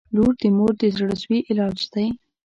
• لور د مور د زړسوي علاج دی.